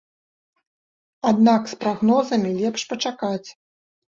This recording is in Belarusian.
Аднак з прагнозамі лепш пачакаць.